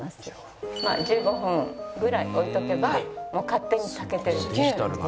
まあ１５分ぐらい置いとけばもう勝手に炊けてるという。